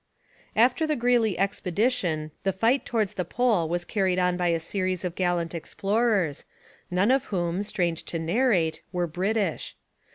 After the Greeley expedition the fight towards the Pole was carried on by a series of gallant explorers, none of whom, strange to narrate, were British.